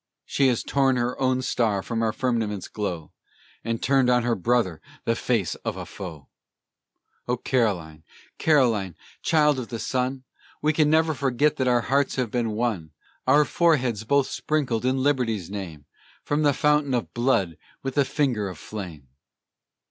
She has torn her own star from our firmament's glow, And turned on her brother the face of a foe! O Caroline, Caroline, child of the sun, We can never forget that our hearts have been one, Our foreheads both sprinkled in Liberty's name, From the fountain of blood with the finger of flame!